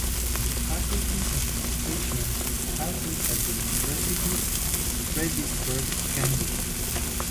The faculty's administration is housed at the university's Frederiksberg Campus.